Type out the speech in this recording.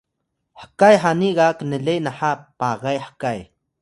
hkay hani ga knle naha pagay hkay